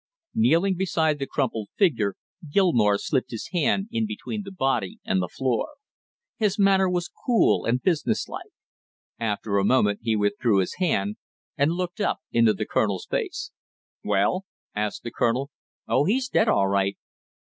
Kneeling beside the crumpled figure Gilmore slipped his hand in between the body and the floor; his manner was cool and businesslike. After a moment he withdrew his hand and looked, up into the colonel's face. "Well?" asked the colonel. "Oh, he's dead, all right!"